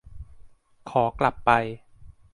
ขอกลับไป